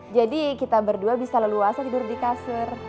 jadi kita berdua bisa leluasa tidur di kasur